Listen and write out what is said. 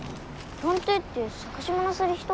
探偵って探し物する人？